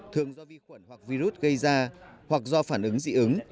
thường do vi khuẩn hoặc virus gây ra hoặc do phản ứng dị ứng